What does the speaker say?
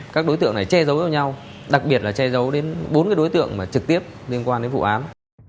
các đối tượng này che giấu cho nhau đặc biệt là che giấu đến bốn đối tượng trực tiếp liên quan đến vụ án